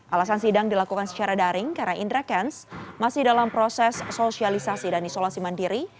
alasan sidang dilakukan secara daring karena indra kents masih dalam proses sosialisasi dan isolasi mandiri